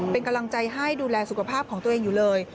เป็นกำลังใจให้ดูแลสุขภาพของตัวเองอยู่เลย